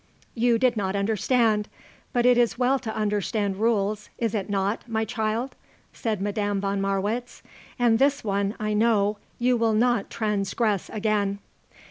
"You did not understand. But it is well to understand rules, is it not, my child?" said Madame von Marwitz. "And this one, I know, you will not transgress again."